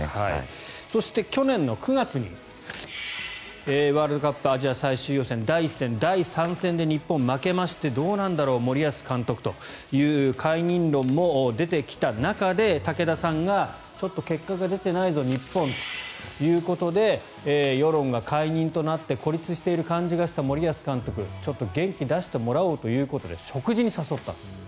そして、去年９月にワールドカップアジア最終予選第１戦、第３戦で日本、負けましてどうなんだろう森保監督という解任論も出てきた中で武田さんがちょっと結果が出ていないぞ日本ということで世論が解任となって孤立している感じがした森保監督、ちょっと元気出してもらおうということで食事に誘った。